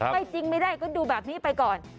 ไม่จริงไม่ได้ก็ดูแบบนี้ไปก่อน